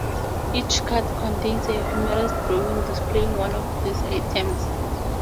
Each card contains a humorous drawing displaying one of these items.